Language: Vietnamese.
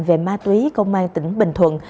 về ma túy công an tỉnh bình thuận